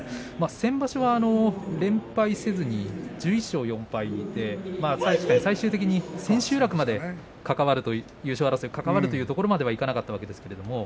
先場所は連敗せずに１１勝４敗で最終的には千秋楽まで優勝争いまで関わるところまではいかなかったわけですね。